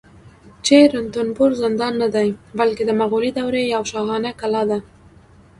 چې رنتنبور زندان نه دی، بلکې د مغولي دورې یوه شاهانه کلا ده